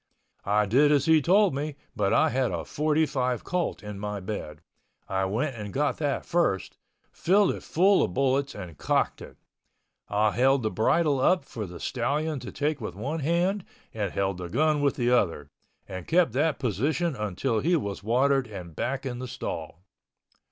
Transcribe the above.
I did as he told me, but I had a forty five Colt in my bed. I went and got that first, filled it full of bullets and cocked it. I held the bridle up for the stallion to take with one hand and held the gun with the other, and kept that position until he was watered and back in the stall.